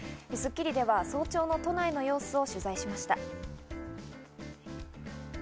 『スッキリ』では早朝の都内の様子を取材しました。